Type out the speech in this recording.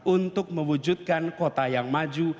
untuk mewujudkan kota yang maju